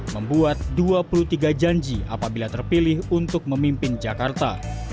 membuat dua puluh tiga janji apabila terpilih untuk memimpin jakarta